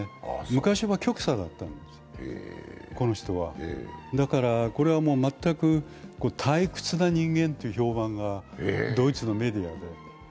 昔は極左だったんですよ、この人はだから、これは全く退屈な人間という評判がドイツのメディアで。